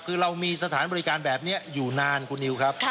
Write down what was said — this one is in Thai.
คือเรามีสถานบริการแบบนี้อยู่นานคุณนิวครับ